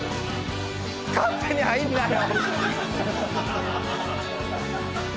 勝手に入んなよ。